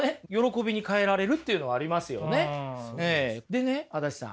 でね足立さん